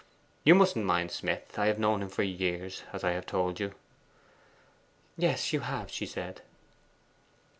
You mustn't mind Smith. I have known him for years, as I have told you.' 'Yes, you have,' she said.